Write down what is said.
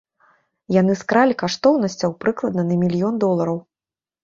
Яны скралі каштоўнасцяў прыкладна на мільён долараў.